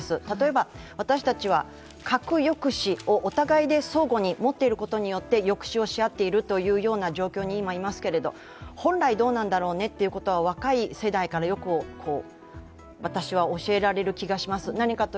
例えば、私たちは核抑止を、お互いで相互に持っていることによって抑止をし合っているという状況に今いますけど、本来どうなんだろうねということは若い世代から、私は教えられる気がします。